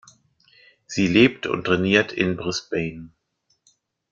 Sie lebt und trainiert in Brisbane.